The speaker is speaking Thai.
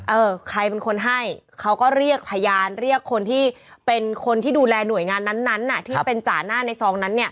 เออใครเป็นคนให้เขาก็เรียกพยานเรียกคนที่เป็นคนที่ดูแลหน่วยงานนั้นที่เป็นจ่าหน้าในซองนั้น